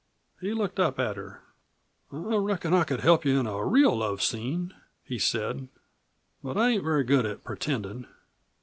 He looked up at her. "I reckon I could help you in a real love scene," he said, "but I ain't very good at pretendin'."